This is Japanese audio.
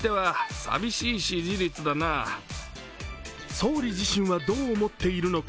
総理自身はどう思っているのか。